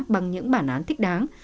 bằng những bản án thích đáng